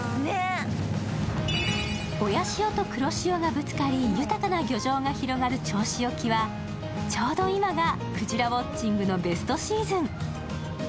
親潮と黒潮がぶつかり豊かな漁場が広がる銚子沖はちょうど今が、くじらウオッチングのベストシーズン。